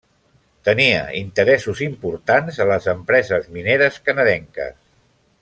Tenia interessos importants a les empreses mineres canadenques.